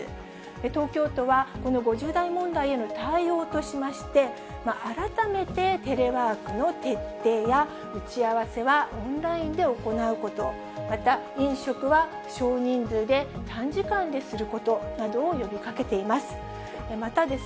東京都は、この５０代問題への対応としまして、改めてテレワークの徹底や、打ち合わせはオンラインで行うこと、また、飲食は少人数で短時間ですることなどを呼びかけています。